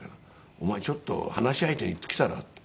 「お前ちょっと話し相手に行ってきたら」って。